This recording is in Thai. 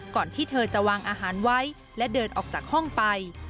ก่อนที่เธอจะวางอาหารไว้และเดินออกจากห้องไป